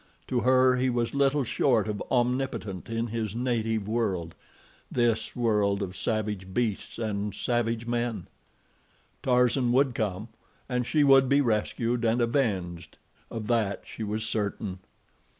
To her, he was little short of omnipotent in his native world—this world of savage beasts and savage men. Tarzan would come, and she would be rescued and avenged, of that she was certain.